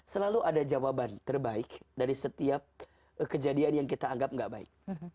selalu ada jawaban terbaik dari setiap kejadian yang kita anggap gak baik